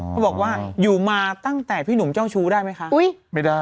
เขาบอกว่าอยู่มาตั้งแต่พี่หนูเจ้าชู้ได้ไหมคะ